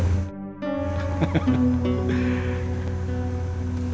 ya terima kasih